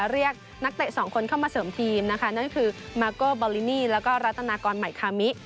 เรียกนักเตะสองคนเข้ามาเสริมทีมนะคะนั่นคือมาโก้บอลลินีแล้วก็รัฐนากรใหม่คามิ